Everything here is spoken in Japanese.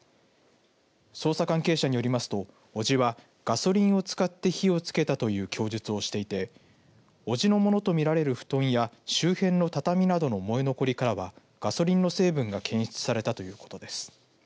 捜査関係者によりますと、伯父はガソリンを使って火をつけたという供述をしていて伯父のものとみられる布団や周辺の畳などの燃え残りからはガソリンの成分が検出されたということです。